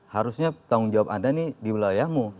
harusnya tanggung jawab anda ini di wilayahmu